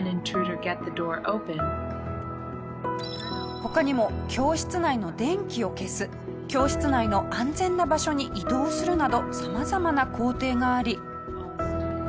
他にも教室内の電気を消す教室内の安全な場所に移動するなど様々な工程があり。